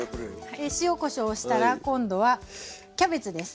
塩こしょうをしたら今度はキャベツです。